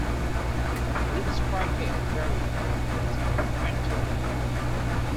We describe here the variant that operates on a factor graph.